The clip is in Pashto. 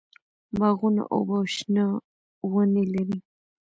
باغونه اوبه او شنه ونې لري.